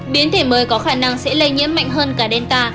biến thể mới có khả năng sẽ lây nhiễm mạnh hơn cả delta